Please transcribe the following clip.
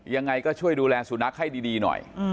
ยังไงก็ช่วยดูแลสุนัขให้ดีหน่อย